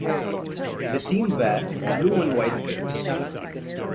The team wear blue and white kits.